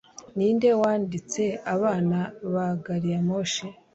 Ninde wanditse Abana ba Gariyamoshi?